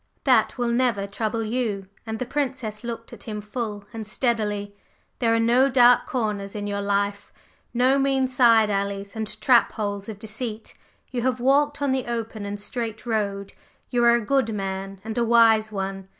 "That will never trouble you!" and the Princess looked at him full and steadily. "There are no dark corners in your life no mean side alleys and trap holes of deceit; you have walked on the open and straight road. You are a good man and a wise one.